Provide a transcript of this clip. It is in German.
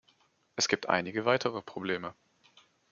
Es gibt einige weitere Probleme.